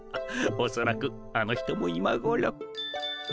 おそらくあの人もいまごろ。